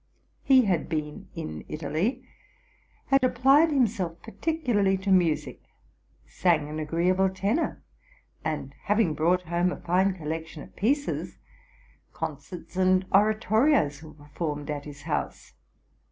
He had been in Italy; had applied himself par ticularly to music; sang an agreeable tenor; and, having brought home a fine collection of pieces, concerts and ora torios were performed at his house.